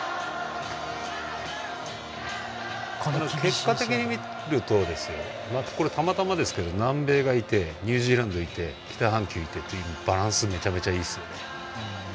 結果的に見るとこれ、たまたまですけど南米がいてニュージーランドがいて北半球いてバランスめちゃくちゃいいですね。